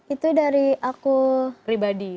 itu dari aku pribadi